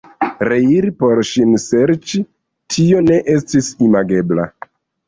Reiri por ŝin serĉi, tio ne estis imagebla.